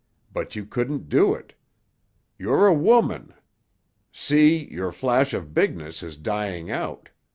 But you couldn't do it. You're a woman. See; your flash of bigness is dying out.